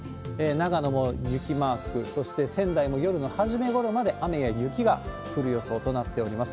長野も雪マーク、そして仙台も夜の初め頃まで雨や雪が降る予想となっております。